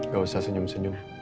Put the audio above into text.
gak usah senyum senyum